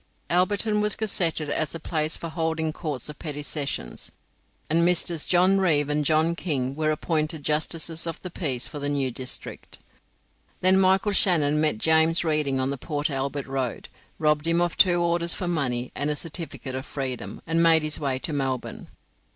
Alberton was gazetted as a place for holding Courts of Petty Sessions, and Messrs. John Reeve and John King were appointed Justices of the Peace for the new district. Then Michael Shannon met James Reading on the Port Albert Road, robbed him of two orders for money and a certificate of freedom, and made his way to Melbourne.